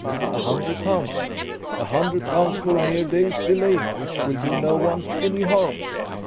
"A hundred pounds." "A hundred pounds for a mere day's delay, which will do no one any harm!"